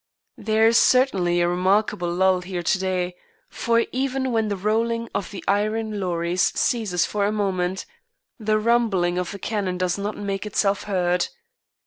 There is certainly a remarkable lull here to day, for even when the rolling of the iron lorries ceases for a moment, the rumbling of the cannon does not make itself heard.